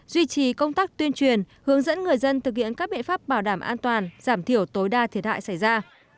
duy trì công tác tuyên truyền hướng dẫn người dân thực hiện các biện pháp bảo đảm an toàn giảm thiểu tối đa thiệt hại xảy ra